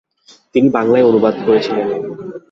তিনি বাংলায় অনুবাদ করেছিলেন।